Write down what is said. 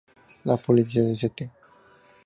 La policía de St.